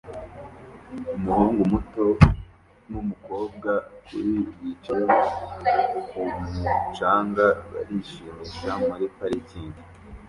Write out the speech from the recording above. Umuhungu muto numukobwa kuri yicaye kumu canga barishimisha muri parikingi